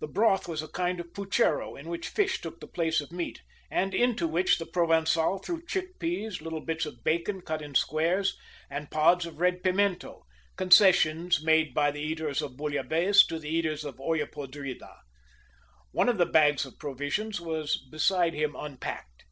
The broth was a kind of puchero, in which fish took the place of meat, and into which the Provençal threw chick peas, little bits of bacon cut in squares, and pods of red pimento concessions made by the eaters of bouillabaisse to the eaters of olla podrida. One of the bags of provisions was beside him unpacked.